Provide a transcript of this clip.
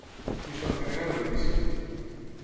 Qui es va encarregar de l'edició?